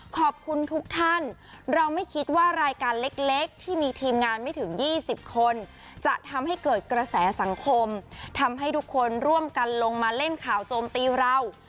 ขอบคุณทุกท่านเราไม่คิดว่ารายการเล็กที่มีทีมงานไม่ถึง๒๐คนจะทำให้เกิดกระแสสังคมทำให้ทุกคนร่วมกันลงมาเล่นข่าวโจมตีเรา